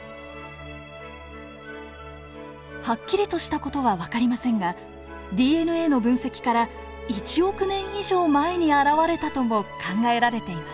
はっきりとした事は分かりませんがＤＮＡの分析から１億年以上前に現れたとも考えられています。